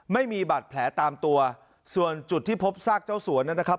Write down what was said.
ไม่มีบาดแผลตามตัวส่วนจุดที่พบซากเจ้าสวนนะครับ